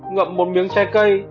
ngậm một miếng trái cây